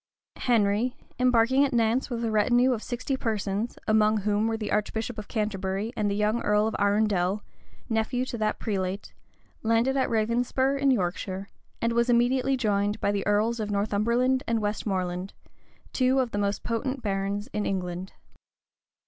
Henry, embarking at Nantz with a retinue of sixty persons, among whom were the archbishop of Canterbury and the young earl of Arundel, nephew to that prelate, landed at Ravenspur, in Yorkshire; and was immediately joined by the earls of Northumberland and Westmoreland, two of the most potent barons in England.